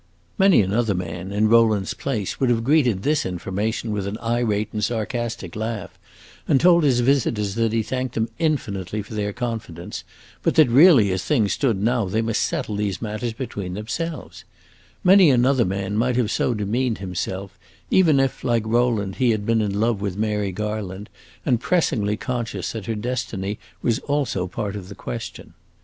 Many another man, in Rowland's place, would have greeted this information with an irate and sarcastic laugh, and told his visitors that he thanked them infinitely for their confidence, but that, really, as things stood now, they must settle these matters between themselves; many another man might have so demeaned himself, even if, like Rowland, he had been in love with Mary Garland and pressingly conscious that her destiny was also part of the question.